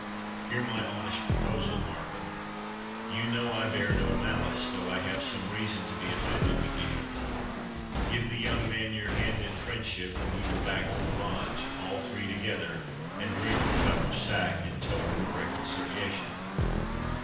Hear my honest proposal, Markham—You know I bear no malice, though I have some reason to be offended with you—Give the young man your hand in friendship, and we will back to the Lodge, all three together, and drink a cup of sack in token of reconciliation."